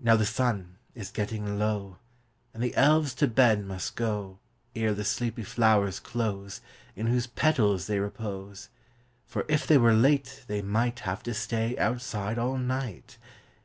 Now the sun is getting low, And the elves to bed must go Ere the sleepy flowers close In whose petals they repose; For if they were late they might Have to stay outside all night.